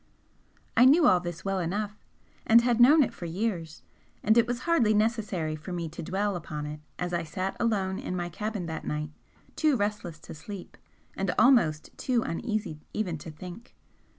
I knew all this well enough, and had known it for years, and it was hardly necessary for me to dwell upon it, as I sat alone in my cabin that night, too restless to sleep, and, almost too uneasy even to think.